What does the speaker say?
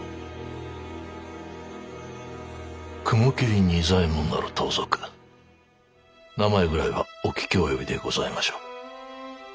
雲霧仁左衛門なる盗賊名前ぐらいはお聞き及びでございましょう。